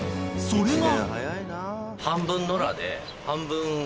［それが］